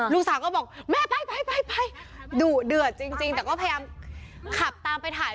ลูกสาวก็บอกแม่ไปไปดุเดือดจริงแต่ก็พยายามขับตามไปถ่าย